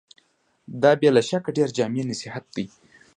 دا بې له شکه ډېر جامع نصيحت دی.